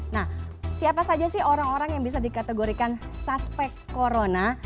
nah siapa saja sih orang orang yang bisa dikategorikan suspek corona